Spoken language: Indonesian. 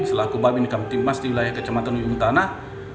selaku babi nikam timmas di wilayah kecamatan ujung tanah